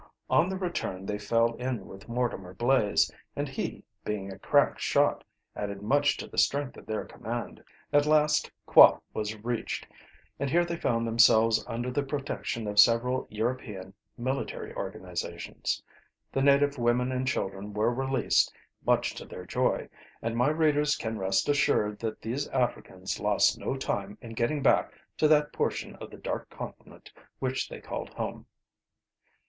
On the return they fell in with Mortimer Blaze, and he, being a crack shot, added much to the strength of their command. At last Kwa was reached, and here they found themselves under the protection of several European military organizations. The native women and children were released, much to their joy, and my readers can rest assured that these Africans lost no time in getting back to that portion of the Dark Continent which they called home.